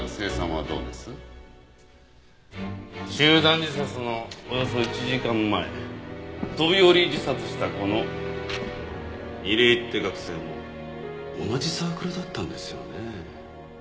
集団自殺のおよそ１時間前飛び降り自殺したこの楡井って学生も同じサークルだったんですよね？